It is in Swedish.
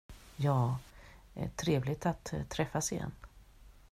Ja, trevligt att träffas igen.